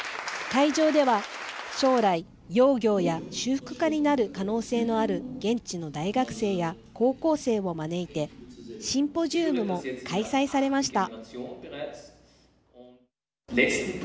会場では将来、窯業や修復家になる可能性のある現地の大学生や高校生を招いてシンポジウムも開催されました。